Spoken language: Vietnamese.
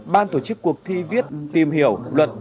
ban tổ chức cuộc thi viết tìm hiểu luật